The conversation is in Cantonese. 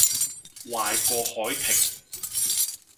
壞過凱婷